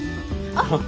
あっ。